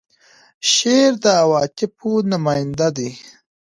شعر د عواطفو نماینده دی.